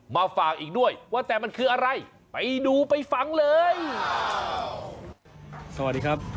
มาฝากอีกด้วยว่าแต่มันคืออะไรไปดูไปฟังเลยสวัสดีครับ